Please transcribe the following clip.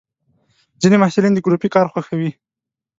ځینې محصلین د ګروپي کار خوښوي.